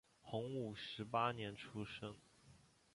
洪武十八年出生。